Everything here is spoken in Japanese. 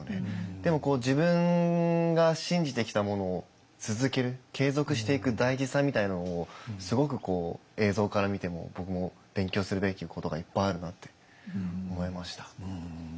でも自分が信じてきたものを続ける継続していく大事さみたいなものをすごく映像から見ても僕も勉強するべきことがいっぱいあるなって思いました。